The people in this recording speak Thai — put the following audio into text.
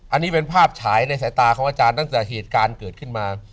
อันนี้เป็นภาพฉายในสายตาของอาจารย์ตั้งแต่เหตุการณ์เกิดขึ้นมา